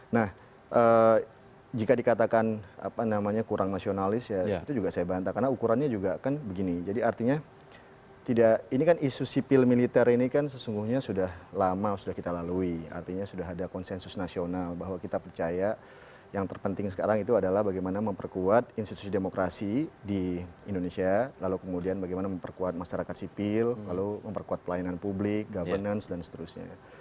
nah jika dikatakan kurang nasionalis itu juga saya bantah karena ukurannya juga kan begini jadi artinya ini kan isu sipil militer ini kan sesungguhnya sudah lama sudah kita lalui artinya sudah ada konsensus nasional bahwa kita percaya yang terpenting sekarang itu adalah bagaimana memperkuat institusi demokrasi di indonesia lalu kemudian bagaimana memperkuat masyarakat sipil lalu memperkuat pelayanan publik governance dan seterusnya